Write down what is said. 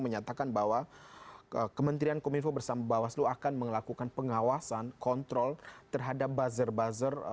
menyatakan bahwa kementerian kominfo bersama bawaslu akan melakukan pengawasan kontrol terhadap buzzer buzzer